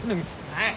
はい。